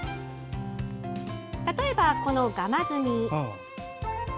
例えば、このガマズミ。